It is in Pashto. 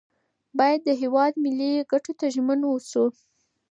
باید د هیواد ملي ګټو ته ژمن اوسو.